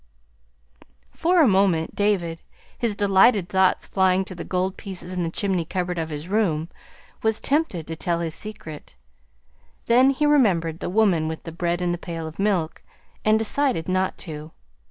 For a moment David, his delighted thoughts flying to the gold pieces in the chimney cupboard of his room, was tempted to tell his secret. Then he remembered the woman with the bread and the pail of milk, and decided not to.